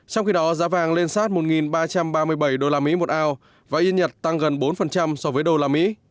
trong khi đó giá vàng lên sát một ba trăm ba mươi bảy usd một ao và yên nhật tăng gần bốn so với usd